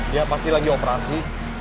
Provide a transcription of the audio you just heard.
dia pasti lagi operasi